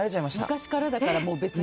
昔からだから別に？